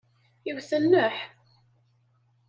Iwet nneḥ.